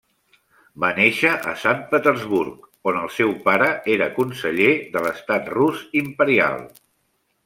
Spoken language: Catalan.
Va néixer Sant Petersburg, on el seu pare era conseller de l'estat rus imperial.